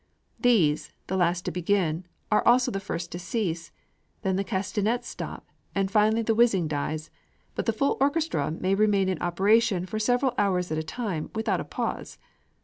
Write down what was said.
These, the last to begin, are also the first to cease; then the castanets stop; and finally the whizzing dies; but the full orchestra may remain in operation for several hours at a time, without a pause.